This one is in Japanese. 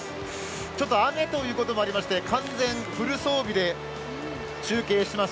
ちょっと雨ということもありまして、完全フル装備で中継します。